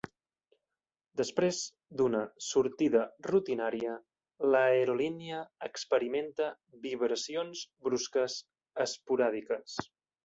Després d'una sortida rutinària, l'aerolínia experimenta vibracions brusques esporàdiques.